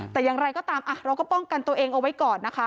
แต่อย่างไรก็ตามเราก็ป้องกันตัวเองเอาไว้ก่อนนะคะ